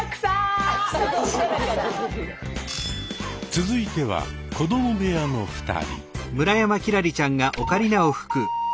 続いては子ども部屋の２人。